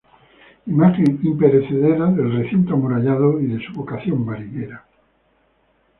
Imagen imperecedera del recinto amurallado y de su vocación marinera.